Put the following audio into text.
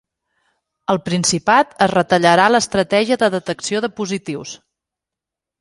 Al Principat, es retallarà l’estratègia de detecció de positius.